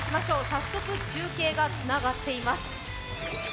早速中継がつながっています。